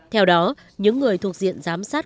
theo đó những người thuộc diện giám sát